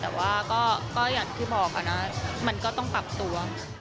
แต่ว่าก็อย่างที่บอกนะมันก็ต้องปรับตัว